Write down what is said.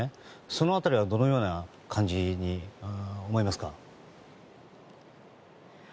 その辺りはどのように思いますか。